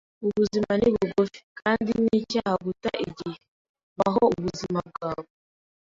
Ubuzima ni bugufi, kandi nicyaha guta igihe Baho ubuzima bwawe.